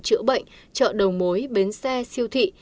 chữa bệnh chợ đầu mối bến xe siêu thị